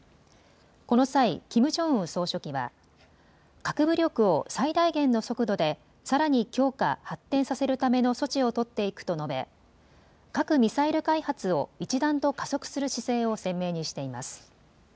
この際キム・ジョンウン総書記は核武力を最大限の速度でさらに強化、発展させるための措置を取っていくと述べ核・ミサイル開発を一段と加速する姿勢を鮮明にしています。